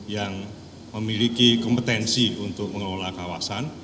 yang memiliki kompetensi untuk mengelola kawasan